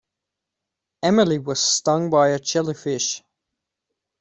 Emily was stung by a jellyfish.